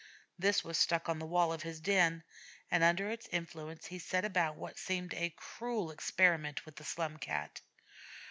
This was stuck on the wall of his den, and under its influence he set about what seemed a cruel experiment with the Slum Cat.